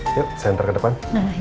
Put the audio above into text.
yuk senter ke depan